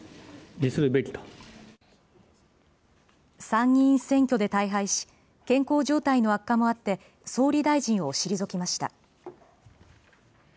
参議院選挙で大敗し、健康状態の悪化もあって総理大臣を退きました。